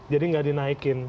jadi nggak dinaikin